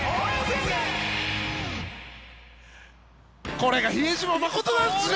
これが比江島慎なんですよ！